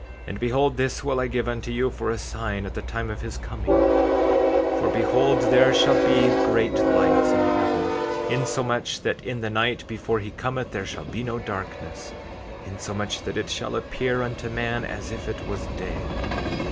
14:3 And behold, this will I give unto you for a sign at the time of his coming; for behold, there shall be great lights in heaven, insomuch that in the night before he cometh there shall be no darkness, insomuch that it shall appear unto man as if it was day.